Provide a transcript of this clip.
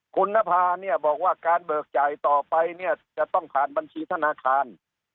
คุณภาพบอกว่าการเบิกจ่ายต่อไปจะต้องผ่านบัญชีธนาคาร